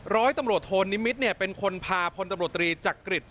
ร้อยตำรวจโทนิมิตรเป็นคนพาพลตำรวจตรีจักริจ